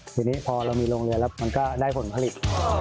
ทีนี้พอเรามีโรงเรือนแล้วมันก็ได้ผลผลิต